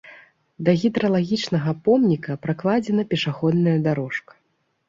Да гідралагічнага помніка пракладзена пешаходная дарожка.